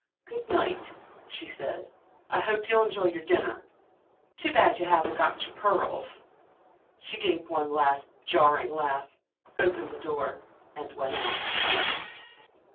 "Good night," she said, "I hope you'll enjoy your dinner. Too bad you haven't got your pearls." She gave one last jarring laugh, opened the door and went out.